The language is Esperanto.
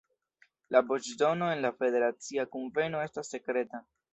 La voĉdono en la Federacia Kunveno estas sekreta.